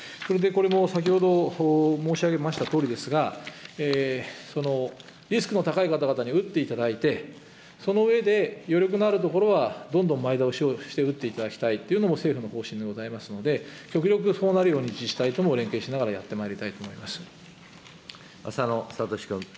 これも先ほど申し上げましたとおりですが、リスクの高い方々に打っていただいて、その上で、余力のある所は、どんどん前倒しをして打っていただきたいというのも政府の方針でございますので、極力そうなるように、自治体とも連携しながら、やってまいりたいと思います。